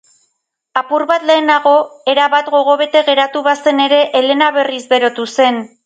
Apur bat lehenago erabat gogobete geratu bazen ere, Elena berriz berotu zen.